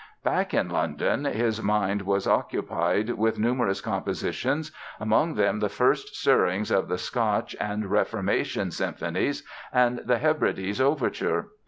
Back in London his mind was occupied with numerous compositions, among them the first stirrings of the "Scotch" and "Reformation" Symphonies and the "Hebrides" Overture.